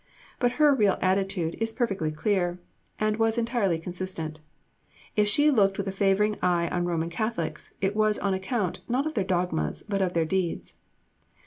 But her real attitude is perfectly clear, and was entirely consistent. If she looked with a favouring eye on Roman Catholics, it was on account, not of their dogmas, but of their deeds.